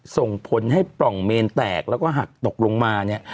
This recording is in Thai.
ส่งผลให้ปล่องเมนแตกแล้วก็หักตกลงมาเนี่ย